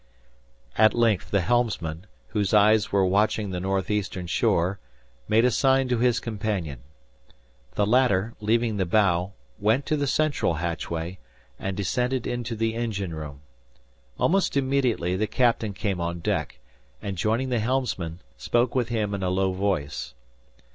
At length the helmsman, whose eyes were watching the northeastern shore, made a sign to his companion. The latter, leaving the bow, went to the central hatchway, and descended into the engine room. Almost immediately the captain came on deck, and joining the helmsman, spoke with him in a low voice.